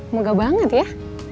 moga banget ya